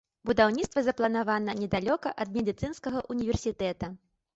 Будаўніцтва запланавана недалёка ад медыцынскага універсітэта.